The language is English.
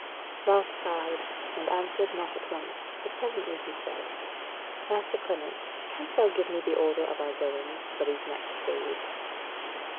Ralph sighed, and answered not at once, but presently he said: "Master Clement, canst thou give me the order of our goings for these next days?"